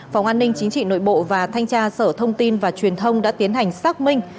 phòng an ninh chính trị nội bộ và thanh tra sở thông tin và truyền thông đã tiến hành xác minh